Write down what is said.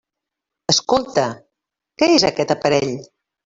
Escolta, què és aquest aparell?